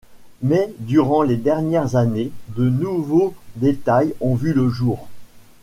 Mais durant les dernières années, de nouveaux détails ont vu le jour.